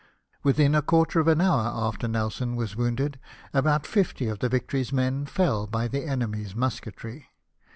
Within a quarter, of an hour after Nelson was wounded, about fifty of the Victory's men fell by the enemy's musketry.